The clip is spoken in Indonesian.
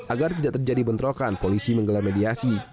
agar tidak terjadi bentrokan polisi menggelar mediasi